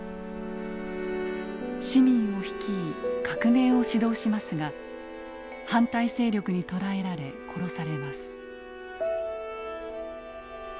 市民を率い革命を指導しますが反対勢力に捕らえられ殺されます。